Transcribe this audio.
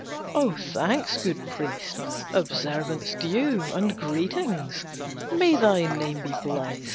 "Oh thanks, good priest! Observance due And greetings! May thy name be blest!